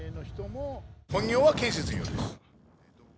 本業は建設業です。